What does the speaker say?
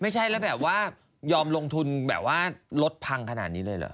ไม่ใช่แล้วแบบว่ายอมลงทุนแบบว่ารถพังขนาดนี้เลยเหรอ